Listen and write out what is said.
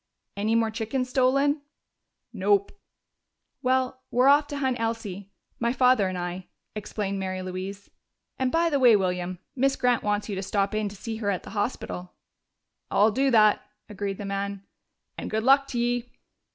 "Any more chickens stolen?" "Nope." "Well, we're off to hunt Elsie my father and I," explained Mary Louise. "And, by the way, William, Miss Grant wants you to stop in to see her at the hospital." "I'll do that," agreed the man. "And good luck to ye!"